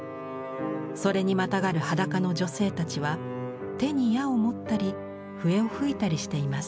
それにまたがる裸の女性たちは手に矢を持ったり笛を吹いたりしています。